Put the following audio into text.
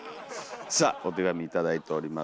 さあお手紙頂いております。